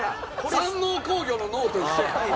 山王工業の「王」と一緒や。